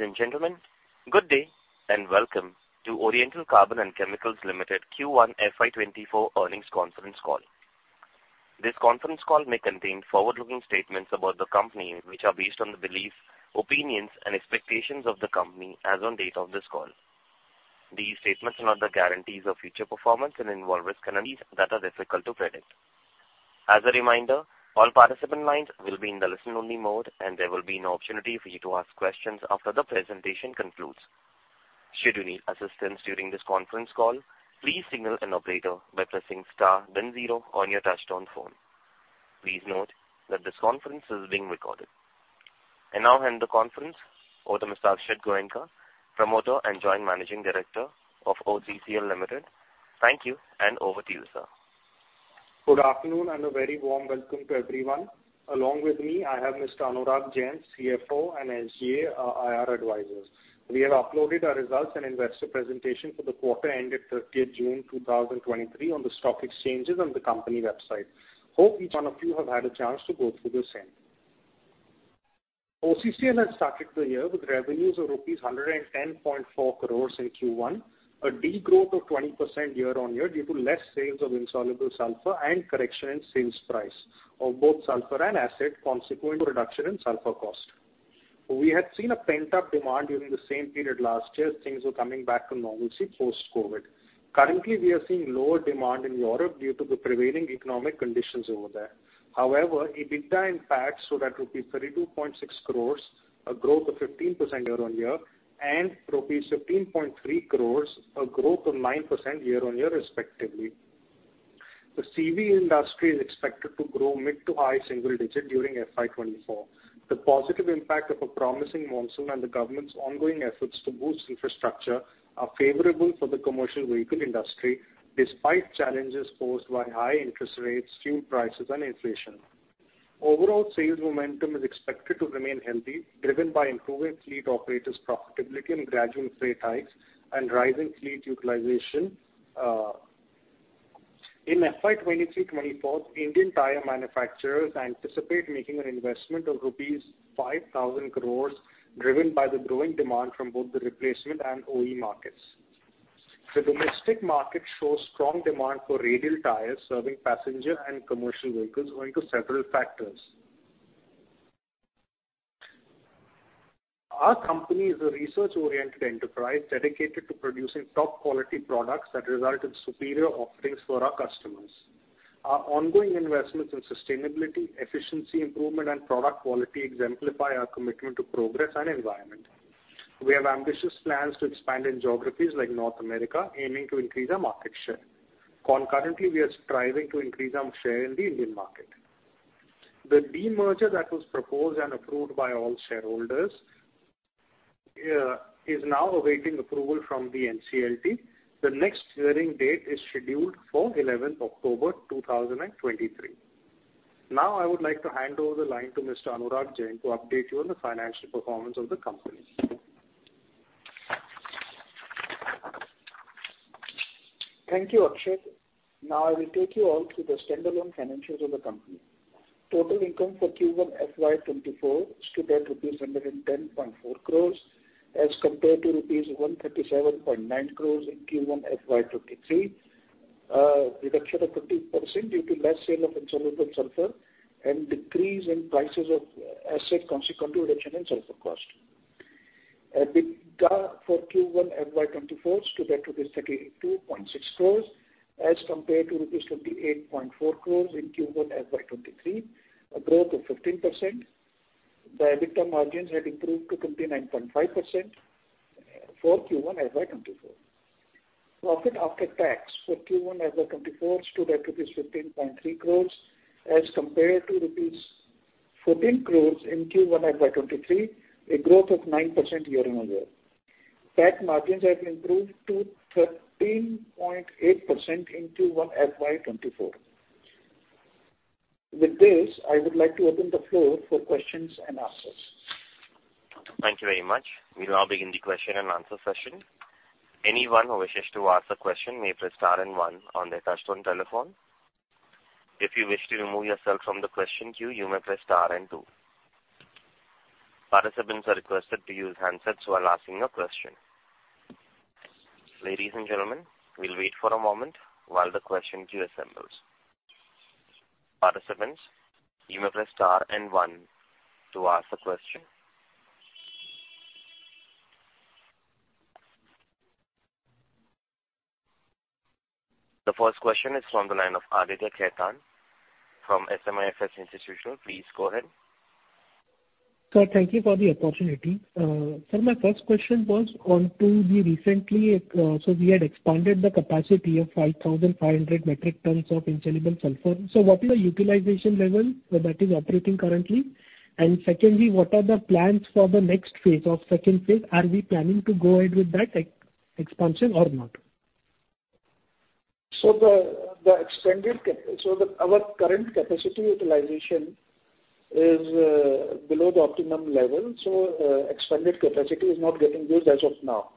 Ladies and gentlemen, good day, and welcome to Oriental Carbon and Chemicals Limited Q1 FY 2024 earnings conference call. This conference call may contain forward-looking statements about the company, which are based on the beliefs, opinions, and expectations of the company as on date of this call. These statements are not the guarantees of future performance and involve risks and uncertainties that are difficult to predict. As a reminder, all participant lines will be in the listen-only mode, and there will be an opportunity for you to ask questions after the presentation concludes. Should you need assistance during this conference call, please signal an operator by pressing star then zero on your touch-tone phone. Please note that this conference is being recorded. I now hand the conference over to Mr. Akshat Goenka, Promoter and Joint Managing Director of OCCL Limited. Thank you, and over to you, sir. Good afternoon, a very warm welcome to everyone. Along with me, I have Mr. Anurag Jain, CFO, and SGA, our IR advisors. We have uploaded our results and investor presentation for the quarter ending June 30, 2023, on the stock exchanges and the company website. Hope each one of you have had a chance to go through the same. OCCL has started the year with revenues of rupees 110.4 crore in Q1, a degrowth of 20% year-on-year due to less sales of insoluble sulfur and correction in sales price of both sulfur and acid, consequent to reduction in sulfur cost. We had seen a pent-up demand during the same period last year as things were coming back to normalcy post-COVID. Currently, we are seeing lower demand in Europe due to the prevailing economic conditions over there. However, EBITDA impact stood at rupees 32.6 crore, a growth of 15% year-on-year, and rupees 15.3 crore, a growth of 9% year-on-year, respectively. The CV industry is expected to grow mid-to-high single-digit during FY 2024. The positive impact of a promising monsoon and the government's ongoing efforts to boost infrastructure are favorable for the commercial vehicle industry, despite challenges posed by high interest rates, fuel prices, and inflation. Overall, sales momentum is expected to remain healthy, driven by improving fleet operators' profitability and gradual freight hikes and rising fleet utilization. In FY 2023-2024, Indian tyre manufacturers anticipate making an investment of rupees 5,000 crore, driven by the growing demand from both the replacement and OE markets. The domestic market shows strong demand for radial tyres serving passenger and commercial vehicles owing to several factors. Our company is a research-oriented enterprise dedicated to producing top-quality products that result in superior offerings for our customers. Our ongoing investments in sustainability, efficiency improvement, and product quality exemplify our commitment to progress and environment. We have ambitious plans to expand in geographies like North America, aiming to increase our market share. Concurrently, we are striving to increase our share in the Indian market. The demerger that was proposed and approved by all shareholders is now awaiting approval from the NCLT. The next hearing date is scheduled for 11th October 2023. Now I would like to hand over the line to Mr. Anurag Jain to update you on the financial performance of the company. Thank you, Akshat. Now I will take you all through the standalone financials of the company. Total income for Q1 FY 2024 stood at rupees 110.4 crores as compared to rupees 137.9 crores in Q1 FY 2023, a reduction of 15% due to less sale of insoluble sulfur and decrease in prices of acid, consequently reduction in sulfur cost. EBITDA for Q1 FY 2024 stood at rupees 32.6 crores as compared to rupees 28.4 crores in Q1 FY 2023, a growth of 15%. The EBITDA margins had improved to 29.5% for Q1 FY 2024. Profit after tax for Q1 FY 2024 stood at rupees 15.3 crores as compared to rupees 14 crores in Q1 FY 2023, a growth of 9% year-on-year. Tax margins have improved to 13.8% in Q1 FY 2024. With this, I would like to open the floor for questions and answers. Thank you very much. We'll now begin the question and answer session. Anyone who wishes to ask a question may press star and one on their touch-tone telephone. If you wish to remove yourself from the question queue, you may press star and two. Participants are requested to use handsets while asking a question. Ladies and gentlemen, we'll wait for a moment while the question queue assembles. Participants, you may press star and one to ask a question. The first question is from the line of Aditya Khetan from SMIFS Limited. Please go ahead. Sir, thank you for the opportunity. Sir, my first question was on to the recently, we had expanded the capacity of 5,500 metric tons of insoluble sulfur. What is the utilization level that is operating currently? Secondly, what are the plans for the next phase of second phase? Are we planning to go ahead with that expansion or not? The, the expanded. The, our current capacity utilization is below the optimum level, so expanded capacity is not getting used as of now.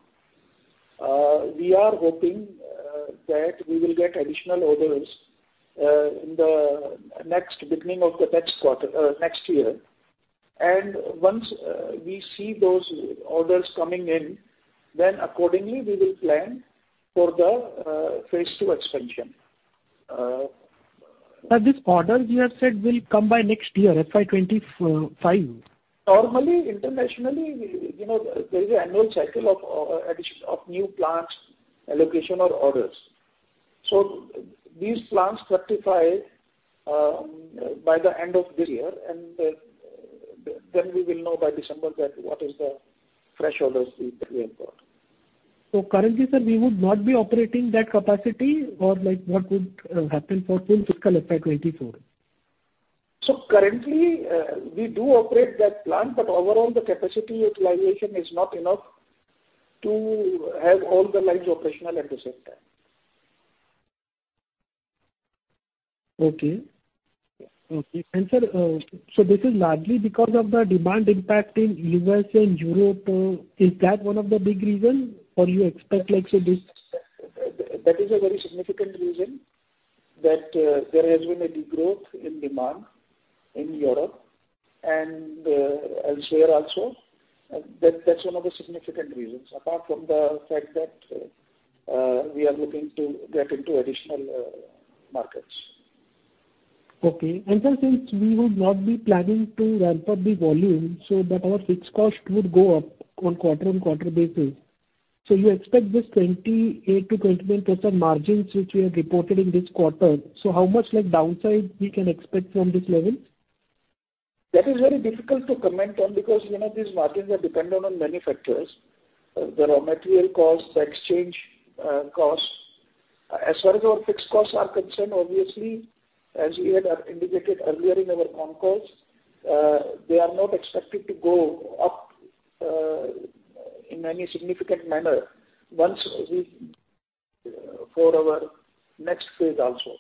We are hoping that we will get additional orders in the next, beginning of the next quarter, next year. Once we see those orders coming in, then accordingly we will plan for the phase two expansion. These orders you have said will come by next year, FY 2025. Normally, internationally, you know, there is an annual cycle of addition of new plants, allocation of orders. These plants rectify by the end of this year, and then, then we will know by December that what is the fresh orders we, we have got. Currently, sir, we would not be operating that capacity or like what would happen for full fiscal effect 2024? Currently, we do operate that plant, but overall the capacity utilization is not enough to have all the lines operational at the same time. Okay. Okay. Sir, so this is largely because of the demand impact in U.S. and Europe. Is that one of the big reason or you expect like, say, this- That is a very significant reason, that there has been a degrowth in demand in Europe and elsewhere also. That's one of the significant reasons, apart from the fact that we are looking to get into additional markets. Okay. Sir, since we would not be planning to ramp up the volume so that our fixed cost would go up on quarter on quarter basis. You expect this 28%-29% margins which we have reported in this quarter, so how much like downside we can expect from this level? That is very difficult to comment on because, you know, these margins are dependent on many factors. There are material costs, the exchange costs. As far as our fixed costs are concerned, obviously, as we had indicated earlier in our concalls, they are not expected to go up in any significant manner once for our next phase also.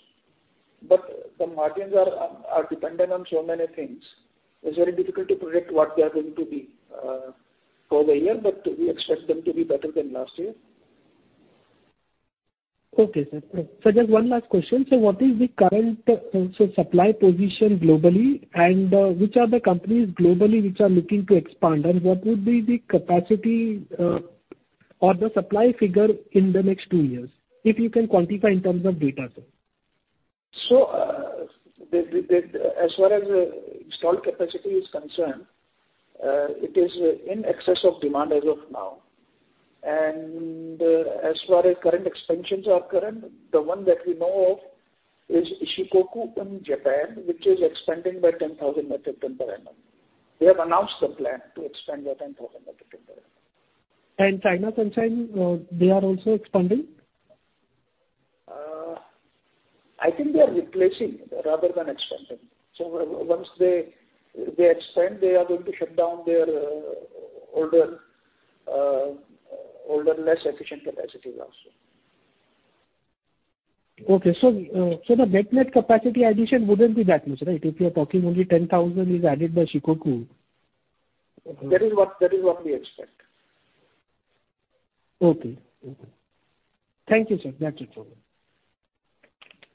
But the margins are, are, are dependent on so many things. It's very difficult to predict what they are going to be for the year, but we expect them to be better than last year. Okay, sir. Just one last question. What is the current supply position globally, which are the companies globally which are looking to expand? What would be the capacity or the supply figure in the next two years, if you can quantify in terms of data, sir? As far as installed capacity is concerned, it is in excess of demand as of now. As far as current expansions are concerned, the one that we know of is Shikoku in Japan, which is expanding by 10,000 metric ton per annum. They have announced the plan to expand by 10,000 metric ton per annum. China concern, they are also expanding? I think they are replacing rather than expanding. Once they, they expand, they are going to shut down their, older, older, less efficient capacities also. Okay. The net, net capacity addition wouldn't be that much, right? If you are talking only 10,000 is added by Shikoku. That is what, that is what we expect. Okay. Okay. Thank you, sir. That's it for me.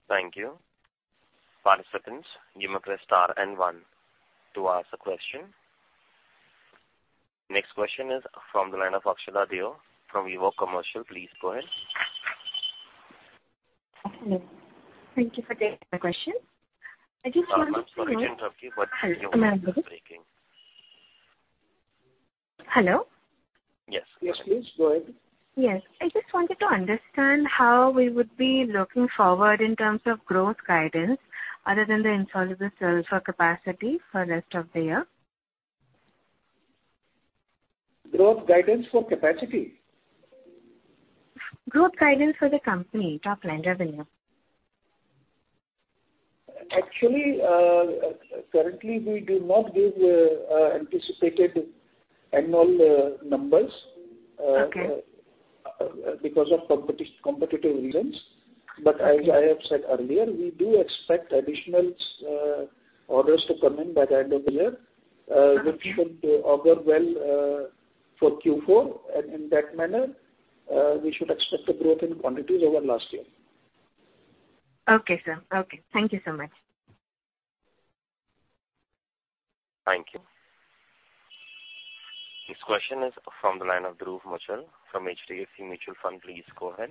Thank you. Participants, you may press star and one to ask a question. Next question is from the line of Akshara Deo from Vivo Commercial. Please go ahead. Thank you for taking my question. I just wanted to know. Sorry to interrupt you, but you are breaking. Hello? Yes. Yes, please, go ahead. Yes. I just wanted to understand how we would be looking forward in terms of growth guidance other than the install of the insoluble sulfur capacity for the rest of the year. Growth guidance for capacity? Growth guidance for the company, top line revenue. Actually, currently we do not give anticipated annual numbers. Okay because of competitive reasons. As I have said earlier, we do expect additional orders to come in by the end of the year, which should augur well for Q4. In that manner, we should expect a growth in quantities over last year. Okay, sir. Okay. Thank you so much. Thank you. This question is from the line of Dhruv Muchhal from HDFC Mutual Fund. Please go ahead.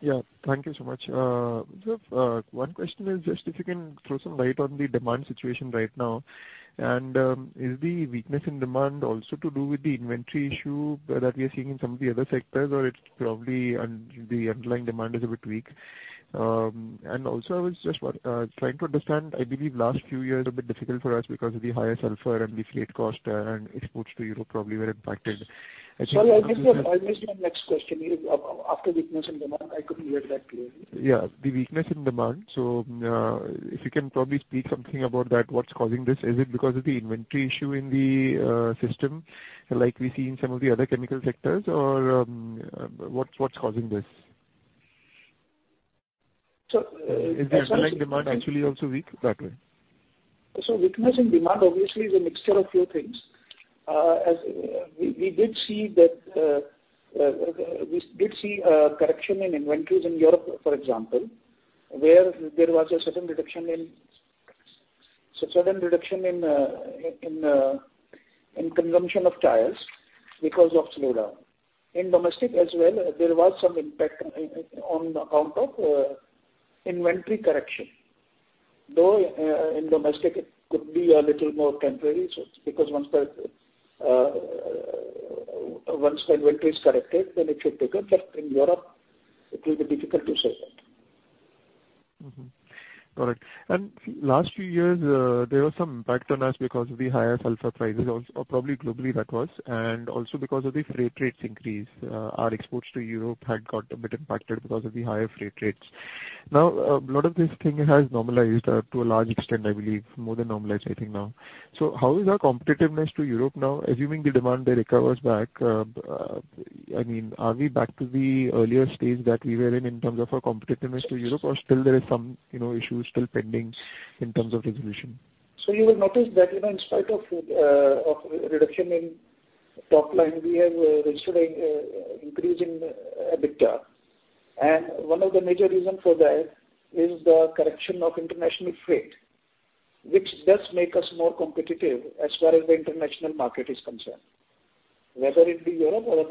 Yeah, thank you so much. Just one question is just if you can throw some light on the demand situation right now, and is the weakness in demand also to do with the inventory issue that we are seeing in some of the other sectors, or it's probably the underlying demand is a bit weak? Also I was just trying to understand, I believe last few years have been difficult for us because of the higher sulfur and the fleet cost, and exports to Europe probably were impacted. Sorry, I missed your, I missed your next question. After weakness in demand, I couldn't hear that clearly. Yeah, the weakness in demand. If you can probably speak something about that, what's causing this? Is it because of the inventory issue in the system like we see in some of the other chemical sectors, or, what's, what's causing this? Is the underlying demand actually also weak that way? Weakness in demand obviously is a mixture of few things. As we, we did see that, we did see a correction in inventories in Europe, for example, where there was a certain reduction in, certain reduction in consumption of tyres because of slowdown. In domestic as well, there was some impact on account of inventory correction, though, in domestic it could be a little more temporary. Because once the, once the inventory is corrected, then it should pick up, but in Europe it will be difficult to say that. Mm-hmm. Got it. Last few years, there was some impact on us because of the higher sulfur prices, or probably globally that was, and also because of the freight rates increase. Our exports to Europe had got a bit impacted because of the higher freight rates. A lot of this thing has normalized to a large extent, I believe, more than normalized, I think, now. How is our competitiveness to Europe now, assuming the demand there recovers back, I mean, are we back to the earlier stage that we were in, in terms of our competitiveness to Europe, or still there is some, you know, issues still pending in terms of resolution? You will notice that even in spite of reduction in top line, we have registered a increase in EBITDA. One of the major reasons for that is the correction of international freight, which does make us more competitive as far as the international market is concerned, whether it be Europe or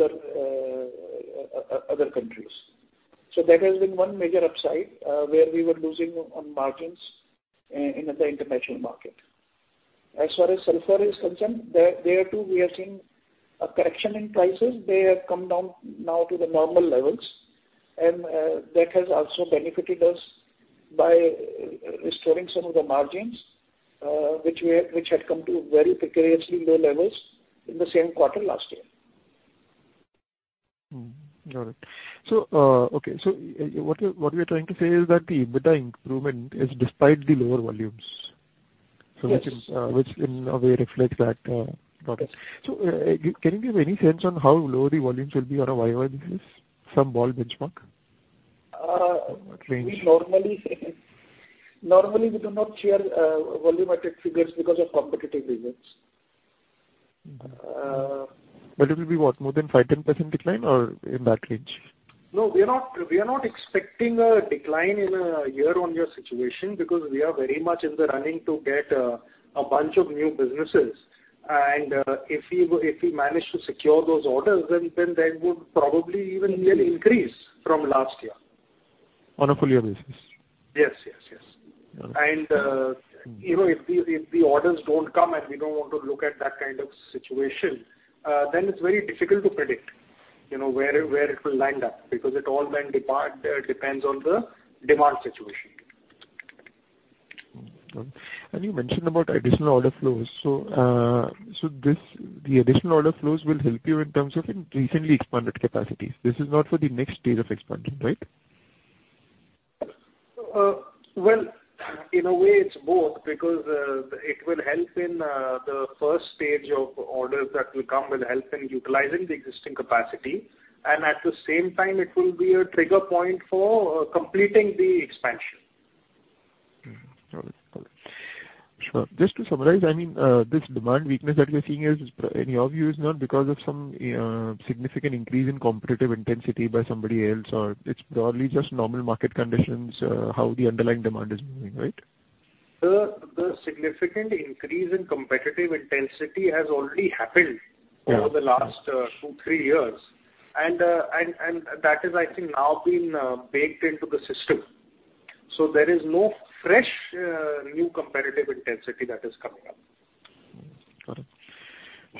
other countries. That has been one major upside, where we were losing on margins in the international market. As far as sulfur is concerned, there, there too, we have seen a correction in prices. They have come down now to the normal levels, and that has also benefited us by restoring some of the margins, which we had, which had come to very precariously low levels in the same quarter last year. Mm-hmm. Got it. Okay, so what you, what you are trying to say is that the EBITDA improvement is despite the lower volumes? Yes. Which, which in a way reflects that, got it. Can you give any sense on how low the volumes will be on a year-on-year basis, some ballpark benchmark, range? We normally, normally we do not share, volumetric figures because of competitive reasons. It will be, what? More than 5%, 10% decline or in that range? No, we are not, we are not expecting a decline in a year-on-year situation, because we are very much in the running to get, a bunch of new businesses. If we, if we manage to secure those orders, then, then there would probably even be an increase from last year. On a full-year basis? Yes, yes, yes. Got it. Even if the orders don't come, and we don't want to look at that kind of situation, then it's very difficult to predict, you know, where, where it will land up, because it all by and large depends on the demand situation. Got it. You mentioned about additional order flows. The additional order flows will help you in terms of recently expanded capacities. This is not for the next stage of expansion, right? Well, in a way, it's both, because it will help in the first stage of orders that will come will help in utilizing the existing capacity, and at the same time, it will be a trigger point for completing the expansion. Got it. Got it. Sure. Just to summarize, I mean, this demand weakness that we are seeing is, in your view, is not because of some significant increase in competitive intensity by somebody else, or it's broadly just normal market conditions, how the underlying demand is moving, right? The, the significant increase in competitive intensity has already happened. Yeah over the last, two, three years. That is, I think, now been, baked into the system. There is no fresh, new competitive intensity that is coming up. Mm, got it.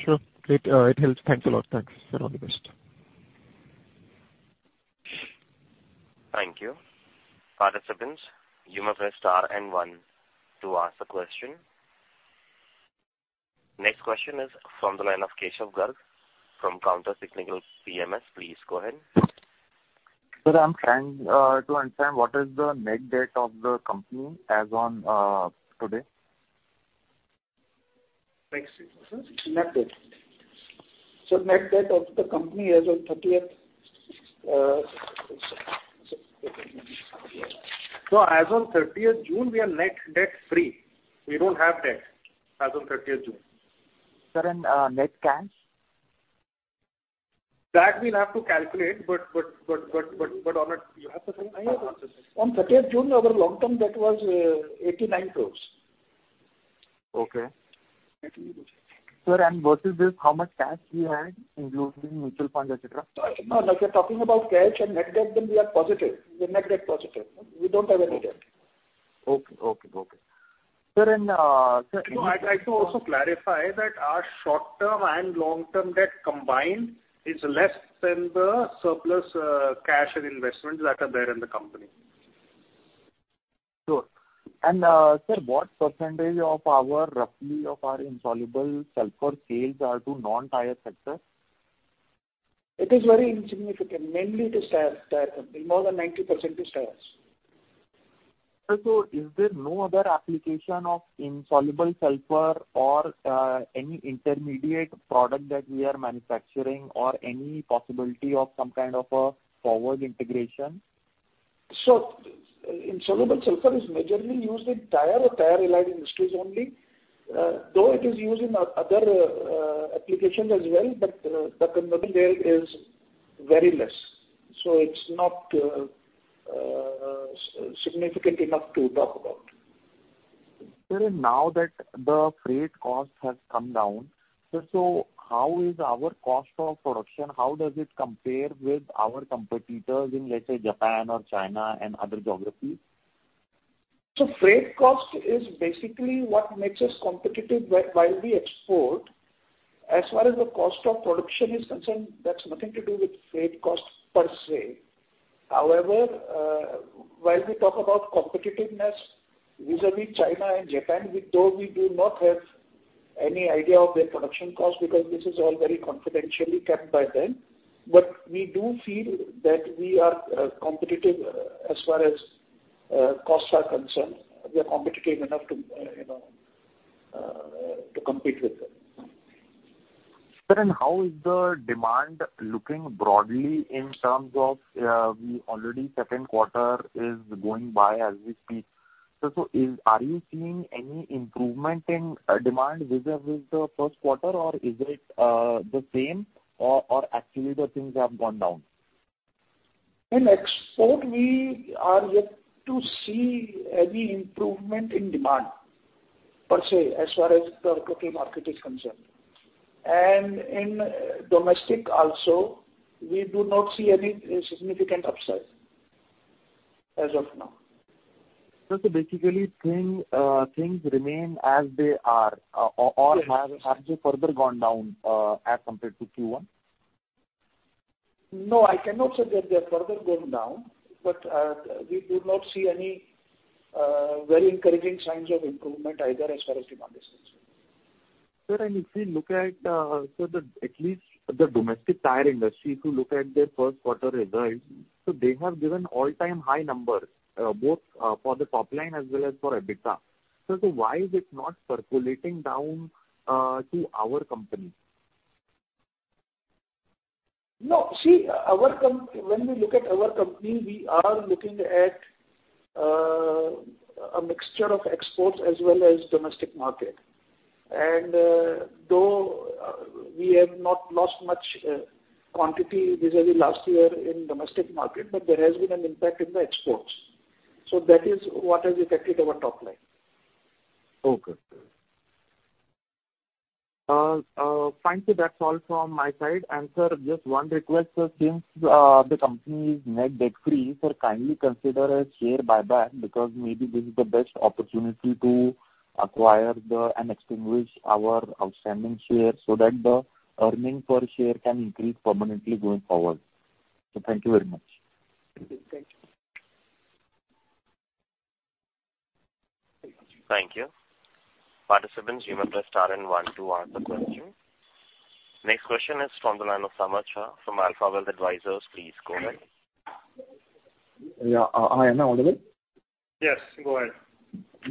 Sure. Great, it helps. Thanks a lot. Thanks, and all the best. Thank you. Participants, you may press star and one to ask a question. Next question is from the line of Keshav Garg from Counter Cyclical Investments. Please go ahead. Sir, I'm trying to understand what is the net debt of the company as on today? Excuse me, sir? Net debt. Net debt of the company as on 30th. As on 30th June, we are net debt free. We don't have debt as on 30th June. Sir, net cash? That we'll have to calculate, but, but, but, but, but, but on a... You have to say, I have. On 30th June, our long-term debt was 89 crore. Okay. Sir, versus this, how much cash we had, including mutual funds, et cetera? No, if you're talking about cash and net debt, we are positive. We are net debt positive. We don't have any debt. Okay, okay, okay. Sir. I'd like to also clarify that our short-term and long-term debt combined is less than the surplus, cash and investments that are there in the company. Sure. sir, what percentage of our, roughly of our insoluble sulfur sales are to non-tyre sector? It is very insignificant. Mainly, it is tyre, tyre company. More than 90% is tyres.... Sir, is there no other application of insoluble sulfur or any intermediate product that we are manufacturing, or any possibility of some kind of a forward integration? Insoluble sulfur is majorly used in tyre or tyre-related industries only. Though it is used in other applications as well, but the convertible is very less, so it's not significant enough to talk about. Sir, now that the freight cost has come down, sir, how is our cost of production, how does it compare with our competitors in, let's say, Japan or China and other geographies? Freight cost is basically what makes us competitive while we export. As far as the cost of production is concerned, that's nothing to do with freight cost per se. However, while we talk about competitiveness vis-a-vis China and Japan, we, though we do not have any idea of their production cost because this is all very confidentially kept by them, but we do feel that we are competitive as far as costs are concerned. We are competitive enough to, you know, to compete with them. Sir, how is the demand looking broadly in terms of, we already second quarter is going by as we speak. Sir, are you seeing any improvement in demand vis-a-vis the first quarter, or is it the same, or, or actually the things have gone down? In export, we are yet to see any improvement in demand, per se, as far as the total market is concerned. In domestic also, we do not see any significant upside as of now. Sir, basically thing, things remain as they are. Yes. Or have, have they further gone down, as compared to Q1? No, I cannot say that they have further gone down, we do not see any very encouraging signs of improvement either as far as demand is concerned. Sir, if we look at, at least the domestic tyre industry, if you look at their first quarter results, they have given all-time high numbers, both for the top line as well as for EBITDA. Sir, why is it not percolating down to our company? No, see, our when we look at our company, we are looking at a mixture of exports as well as domestic market. Though, we have not lost much quantity vis-a-vis last year in domestic market, but there has been an impact in the exports. That is what has affected our top line. Okay. Thank you. That's all from my side. Sir, just one request, sir, since the company is net debt-free, sir, kindly consider a share buyback because maybe this is the best opportunity to acquire the, and extinguish our outstanding shares so that the earnings per share can increase permanently going forward. Thank you very much. Thank you. Thank you. Participants, you may press star and 1 to ask a question. Next question is from the line of Samar Cha from AlphaWealth Advisors. Please go ahead. Yeah. Hi, am I audible? Yes, go ahead.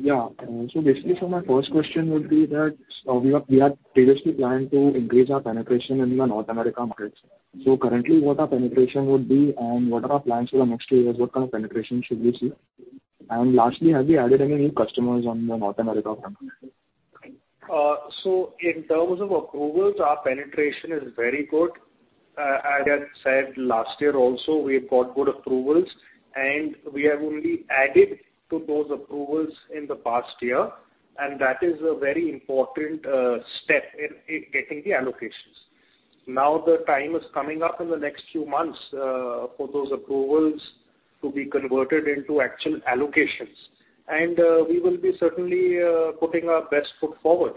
Yeah. Basically, my first question would be that, we have, we had previously planned to increase our penetration in the North America markets. Currently, what our penetration would be, and what are our plans for the next few years? What kind of penetration should we see? Lastly, have you added any new customers on the North America front? In terms of approvals, our penetration is very good. As I said, last year also, we got good approvals, we have only added to those approvals in the past year, and that is a very important step in getting the allocations. The time is coming up in the next few months for those approvals to be converted into actual allocations. We will be certainly putting our best foot forward.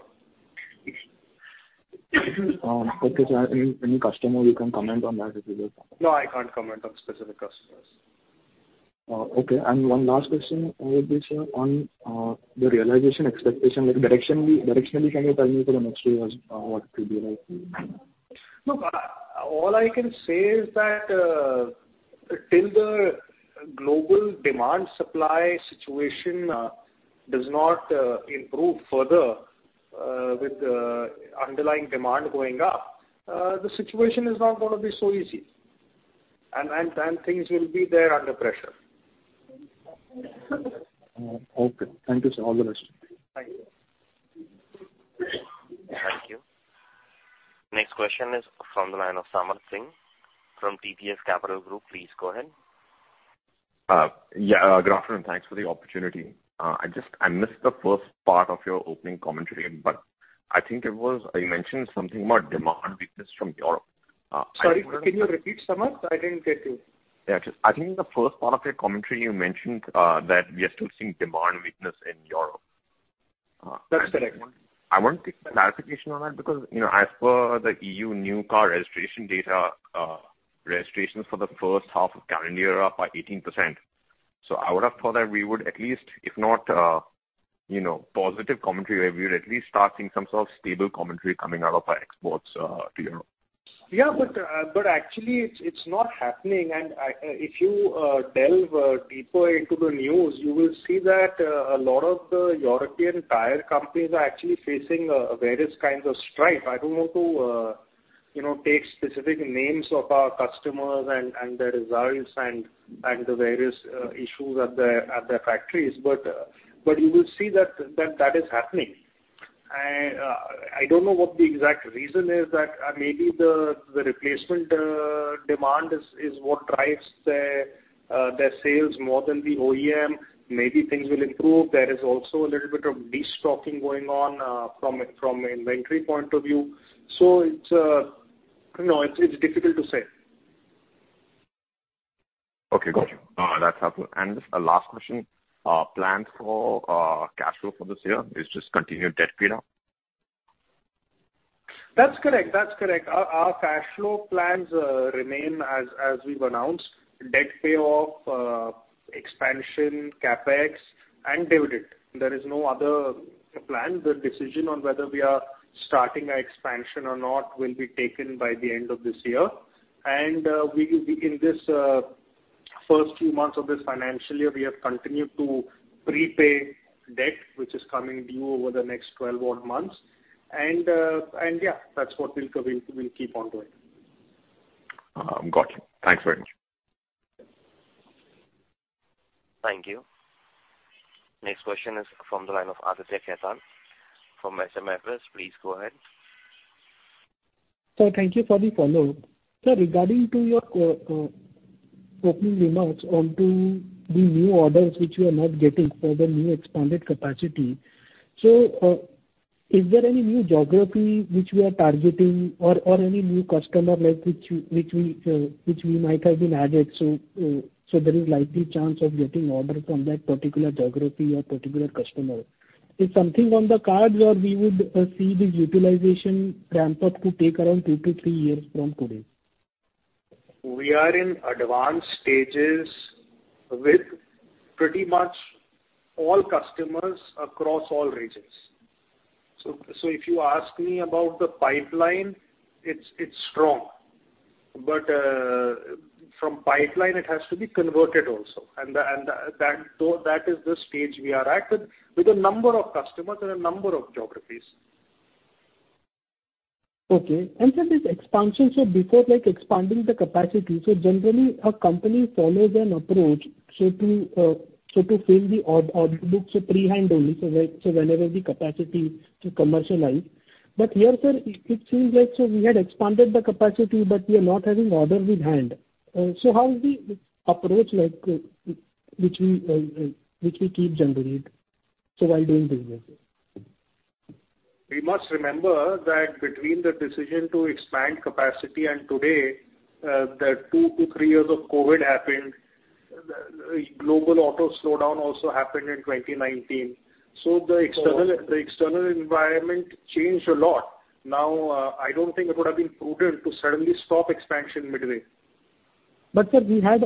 Okay, sir. Any, any customer you can comment on that if you will? No, I can't comment on specific customers. Okay. One last question would be, sir, on the realization expectation, like directionally, directionally, can you tell me for the next few years, what could be like? Look, all I can say is that, till the global demand-supply situation does not improve further, with the underlying demand going up, the situation is not gonna be so easy. Things will be there under pressure. Okay. Thank you, sir. All the best. Thank you. Thank you. Next question is from the line of Samar Singh from TBS Capital Group. Please go ahead. Good afternoon, thanks for the opportunity. I missed the first part of your opening commentary, but I think it was, you mentioned something about demand weakness from Europe. Sorry, can you repeat, Samar? I didn't get you. Yeah, just I think in the first part of your commentary, you mentioned, that we are still seeing demand weakness in Europe. That's correct. I want clarification on that because, you know, as per the EU new car registration data, registrations for the first half of calendar year are up by 18%. I would have thought that we would at least, if not, you know, positive commentary, we would at least start seeing some sort of stable commentary coming out of our exports, to Europe. ... Yeah, but actually it's, it's not happening. I, if you delve deeper into the news, you will see that a lot of the European tyre companies are actually facing various kinds of strife. I don't want to, you know, take specific names of our customers and, and their results and, and the various issues at their, at their factories, but you will see that, that, that is happening. I don't know what the exact reason is, that maybe the, the replacement demand is, is what drives their sales more than the OEM. Maybe things will improve. There is also a little bit of destocking going on from a, from an inventory point of view. It's, you know, it's, it's difficult to say. Okay, got you. That's helpful. A last question, plans for cash flow for this year is just continued debt paydown? That's correct, that's correct. Our, our cash flow plans remain as, as we've announced, debt payoff, expansion, CapEx, and dividend. There is no other plan. The decision on whether we are starting our expansion or not, will be taken by the end of this year. We will be in this, first few months of this financial year, we have continued to prepay debt, which is coming due over the next 12 odd months. Yeah, that's what we'll, we'll, we'll keep on doing. Got you. Thanks very much. Thank you. Next question is from the line of Aditya Khetan from SMIFS. Please go ahead. Sir, thank you for the follow. Sir, regarding to your opening remarks onto the new orders which you are not getting for the new expanded capacity, is there any new geography which we are targeting or, or any new customer like, which we might have been added, so there is likely chance of getting order from that particular geography or particular customer? Is something on the cards or we would see this utilization ramp up to take around two to three years from today? We are in advanced stages with pretty much all customers across all regions. If you ask me about the pipeline, it's, it's strong. From pipeline, it has to be converted also, that is the stage we are at, with, with a number of customers and a number of geographies. Okay. This expansion, so before, like, expanding the capacity, so generally a company follows an approach, so to, so to fill the odd, odd books pre-hand only, so when, so whenever the capacity to commercialize. Here, sir, it, it seems like so we had expanded the capacity, but we are not having order with hand. How is the approach like, which we, which we keep generally, so while doing business? We must remember that between the decision to expand capacity and today, the two to three years of COVID happened, global auto slowdown also happened in 2019. The external. Sure. the external environment changed a lot. Now, I don't think it would have been prudent to suddenly stop expansion midway. Sir, we had,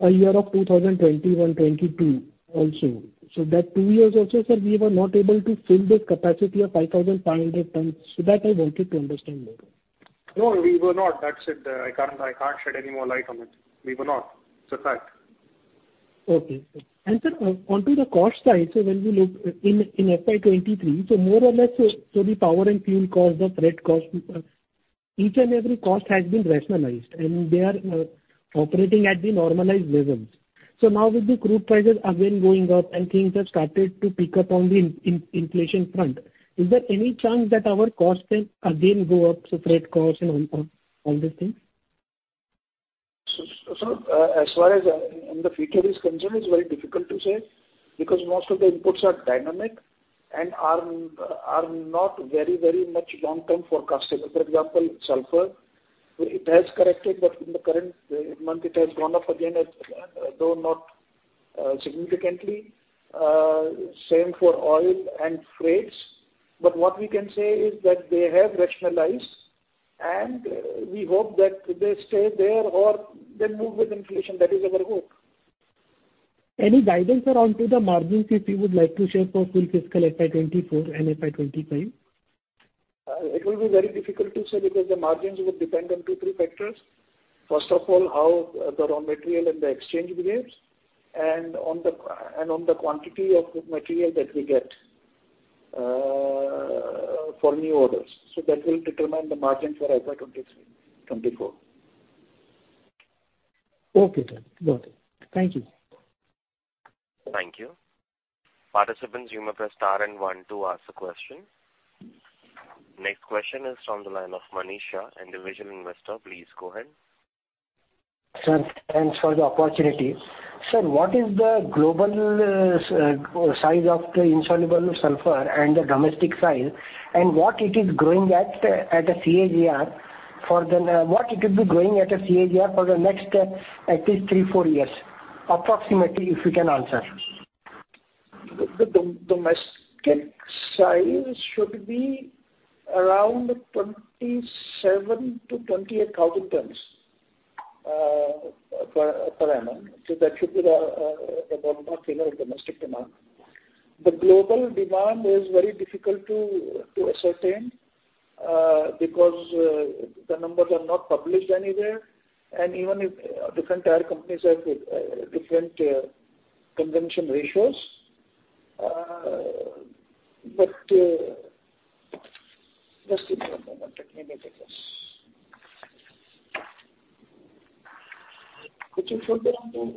a year of 2020 and 2022 also. That two years also, sir, we were not able to fill this capacity of 5,500 tons, so that I wanted to understand better. No, we were not. That's it. I can't shed any more light on it. We were not. It's a fact. Okay. Sir, onto the cost side, when we look in FY 2023, more or less, the power and fuel cost, the freight cost, each and every cost has been rationalized, and they are operating at the normalized levels. Now with the crude prices again going up and things have started to pick up on the inflation front, is there any chance that our costs can again go up, freight costs and all, all these things? As far as, in the future is concerned, it's very difficult to say, because most of the inputs are dynamic and are not very, very much long-term forecasted. For example, sulfur, it has corrected, but in the current month, it has gone up again, though not significantly. Same for oil and freights. What we can say is that they have rationalized, and we hope that they stay there or they move with inflation. That is our hope. Any guidance around to the margins, if you would like to share for full fiscal FY 2024 and FY 2025? It will be very difficult to say, because the margins would depend on two, three factors. First of all, how the raw material and the exchange behaves, and on the and on the quantity of material that we get, for new orders. That will determine the margins for FY 2023, 2024. Okay, sir. Got it. Thank you. Thank you. Participants, you may press star and one to ask a question. Next question is from the line of Mani Shah, Individual Investor. Please go ahead. Sir, thanks for the opportunity. Sir, what is the global size of the insoluble sulfur and the domestic size, and what it is growing at a CAGR? What it could be growing at a CAGR for the next at least three to four years, approximately, if you can answer? The domestic size should be around 27,000-28,000 tons, uh, per, per annum. So that should be the, uh, uh, the bulk of domestic demand. The global demand is very difficult to, to ascertain, uh, because, uh, the numbers are not published anywhere, and even if different tyre companies have d- uh, different, uh, convention ratios, uh, but, uh, just give me one moment, let me make a guess. Which is somewhere around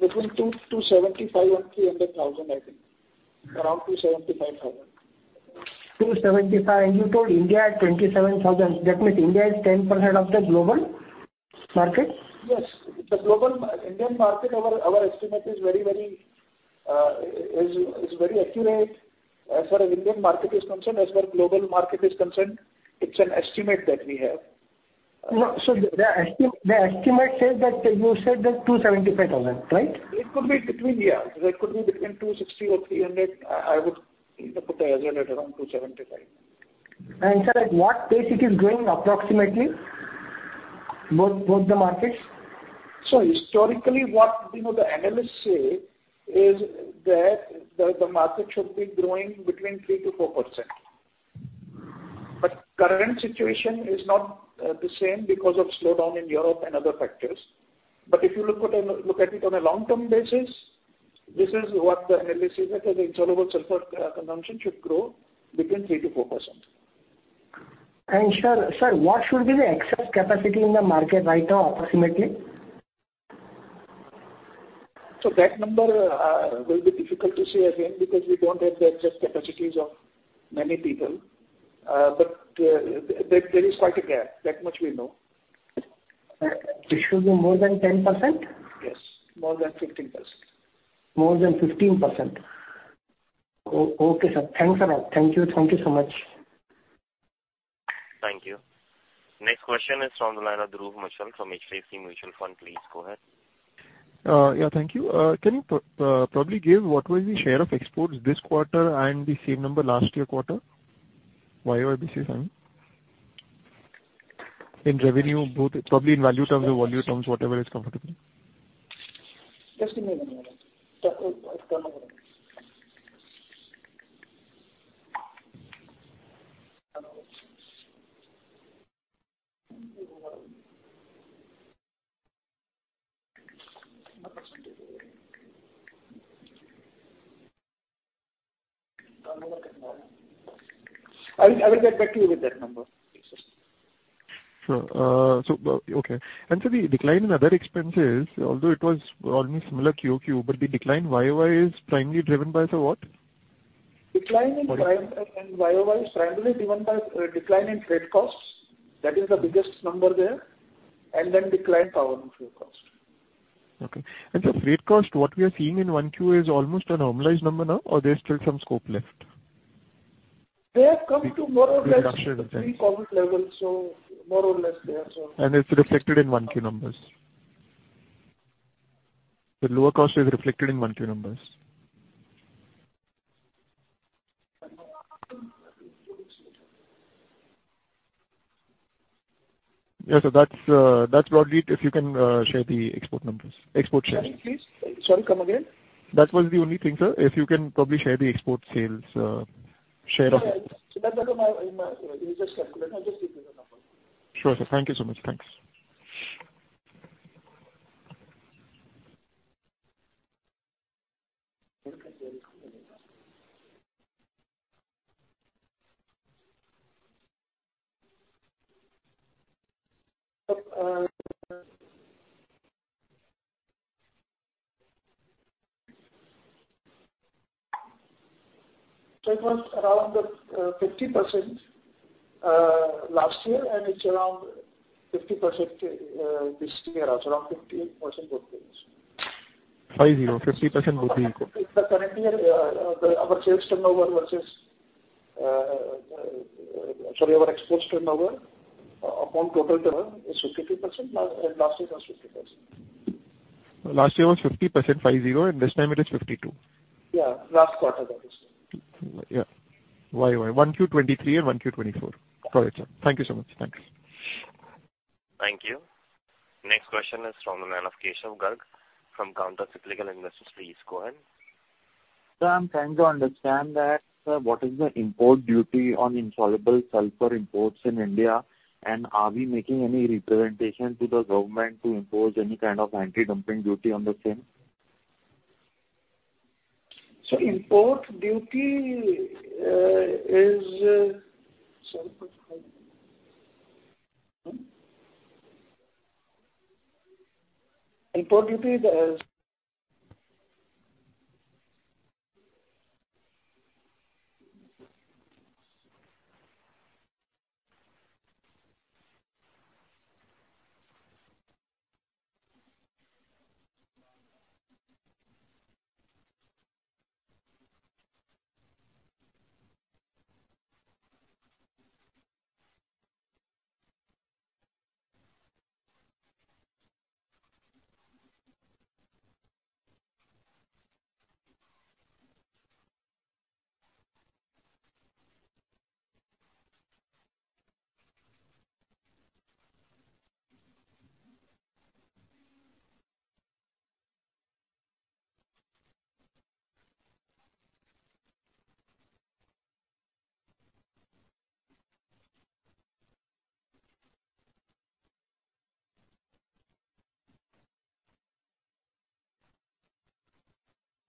between 200,000-275,000 and 300,000, I think. Around 275,000. 275,000, you told India at 27,000, that means India is 10% of the global market? Yes. Indian market, our, our estimate is very, very, is, is very accurate as far as Indian market is concerned. As far as global market is concerned, it's an estimate that we have. No, the estimate says that you said that 275,000, right? It could be between, yeah, it could be between 260,000 or 300,000. I, I would put the estimate at around 275,000. Sir, at what pace it is growing approximately, both, both the markets? Historically, what, you know, the analysts say is that the market should be growing between 3%-4%. Current situation is not the same because of slowdown in Europe and other factors. If you look at it on a long-term basis, this is what the analysis is, that the insoluble sulfur consumption should grow between 3%-4%. Sir, sir, what should be the excess capacity in the market right now, approximately? That number will be difficult to say again, because we don't have the excess capacities of many people. There, there is quite a gap. That much we know. It should be more than 10%? Yes, more than 15%. More than 15%. Okay, sir. Thanks a lot. Thank you. Thank you so much. Thank you. Next question is from the line of Dhruv Muchhal from HDFC Mutual Fund. Please go ahead. Yeah, thank you. Can you probably give what was the share of exports this quarter and the same number last year quarter, YoY? In revenue, both, probably in value terms or volume terms, whatever is comfortable. Just a minute. I, I will get back to you with that number. Sure. Okay. So the decline in other expenses, although it was only similar QoQ, but the decline YoY is primarily driven by so what? Decline in prime, and YoY is primarily driven by, decline in freight costs. That is the biggest number there, and then decline power and fuel costs. Okay. The freight cost, what we are seeing in 1Q is almost a normalized number now, or there's still some scope left? They have come to more or less pre-COVID levels, more or less there. It's reflected in 1Q numbers? The lower cost is reflected in 1Q numbers. Yeah, that's broadly it, if you can share the export numbers, export share. Sorry, please. Sorry, come again. That was the only thing, sir. If you can probably share the export sales. Yeah, yeah. That's on my, it was just calculated. I'll just give you the number. Sure, sir. Thank you so much. Thanks. It was around 50% last year, and it's around 50% this year. Around 50% both years. 50%, 50% both years. The current year, our sales turnover versus, sorry, our export turnover upon total turnover is 50%, and last year was 50%. Last year was 50%, five zero, and this time it is 52%. Yeah, last quarter that is. Yeah. YoY, 1Q 2023 and 1Q 2024. Got it, sir. Thank you so much. Thank you. Thank you. Next question is from the line of Keshav Garg from Counter Cyclical Investments. Please go ahead. Sir, I'm trying to understand that, what is the import duty on insoluble sulfur imports in India? Are we making any representation to the government to impose any kind of anti-dumping duty on the same? Import duty is. Sorry. Import duty there is.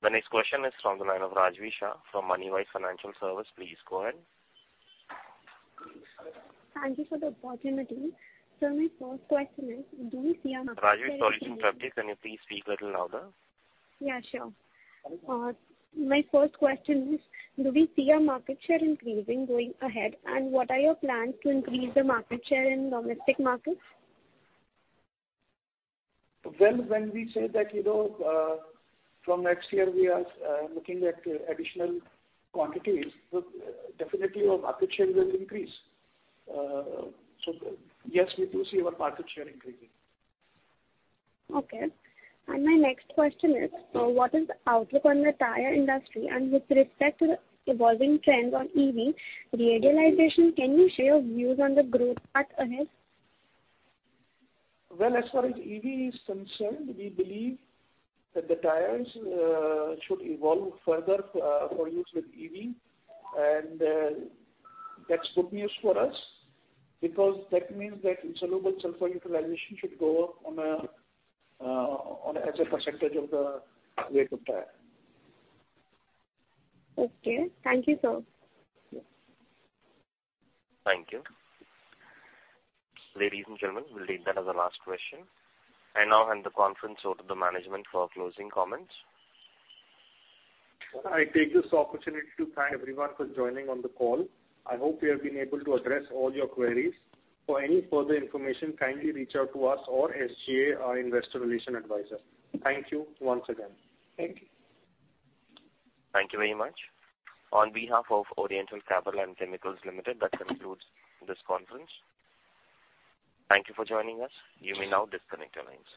The next question is from the line of Rajvi Shah from Moneywise Financial Service. Please go ahead. Thank you for the opportunity. Sir, my first question is, do we see our- Rajvi, sorry to interrupt you. Can you please speak a little louder? Yeah, sure. My first question is, do we see our market share increasing going ahead? What are your plans to increase the market share in domestic markets? Well, when we say that, you know, from next year we are looking at additional quantities, definitely our market share will increase. Yes, we do see our market share increasing. Okay. My next question is, what is the outlook on the tyre industry? With respect to the evolving trends on EV radialization, can you share your views on the growth path ahead? Well, as far as EV is concerned, we believe that the tyres, should evolve further, for use with EV. That's good news for us, because that means that insoluble sulfur utilization should go up as a percentage of the weight of tyre. Okay. Thank you, sir. Thank you. Ladies and gentlemen, we'll take that as our last question. I now hand the conference over to the management for closing comments. I take this opportunity to thank everyone for joining on the call. I hope we have been able to address all your queries. For any further information, kindly reach out to us or SGA, our Investor Relation advisor. Thank you once again. Thank you. Thank you very much. On behalf of Oriental Carbon and Chemicals Limited, that concludes this conference. Thank you for joining us. You may now disconnect your lines.